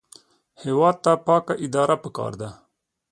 هېواد ته پاکه اداره پکار ده